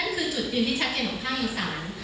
นั่นคือจุดยืนที่ชัดเจนของภาคอีสาน